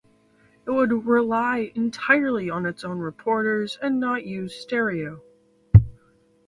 It would rely entirely on its own reporters and not use 'stereo'.